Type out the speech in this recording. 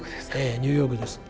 ニューヨークです。